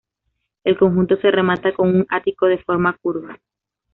El conjunto se remata con un ático de forma curva.